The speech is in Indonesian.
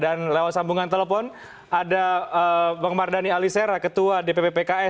dan lewat sambungan telepon ada bang mardani alisera ketua dpp pks